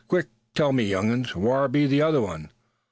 "Quick! tell me you'uns, whar be the other one?